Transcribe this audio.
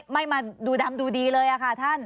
ไม่มาดูดำดูดีเลยค่ะท่าน